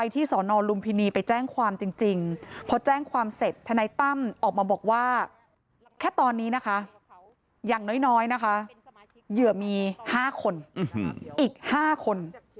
ทนัยตั้มออกมาบอกว่าแค่ตอนนี้นะคะอย่างน้อยนะคะเหยื่อมี๕คนอีก๕คน